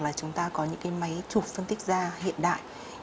hoặc là chúng ta có những cái máy chụp phân tích da hiện đại